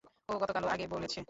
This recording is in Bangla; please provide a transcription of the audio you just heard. ও গতকালও আগে বলেছে!